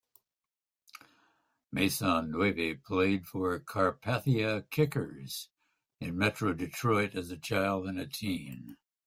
Maisonneuve played for the Carpathia Kickers in Metro Detroit as a child and teen.